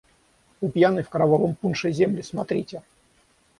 У пьяной, в кровавом пунше, земли — смотрите!